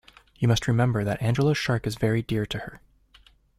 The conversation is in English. You must remember that Angela's shark is very dear to her.